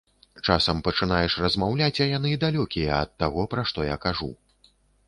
Часам пачынаеш размаўляць, а яны далёкія ад таго, пра што я кажу.